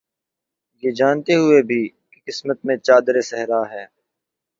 یہ جانتے ہوئے بھی، کہ قسمت میں چادر صحرا ہے